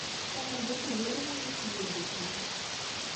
Kanada tugar Iwanaken Yeddukklen.